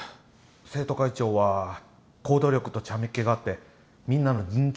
生徒会長は行動力とちゃめっ気があってみんなの人気者でした。